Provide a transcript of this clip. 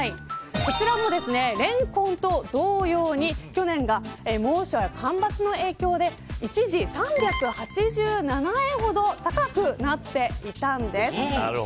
こちらもレンコンと同様に去年が猛暑や干ばつの影響で一時、３８７円ほど高くなっていたんです。